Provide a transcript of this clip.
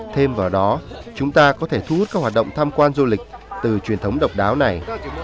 thêm vào đó chúng ta có thể thu hút các hoạt động tham quan du lịch từ truyền thống độc đáo này